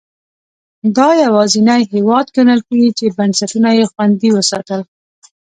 دا یوازینی هېواد ګڼل کېږي چې بنسټونه یې خوندي وساتل.